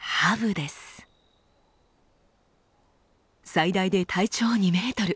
最大で体長２メートル。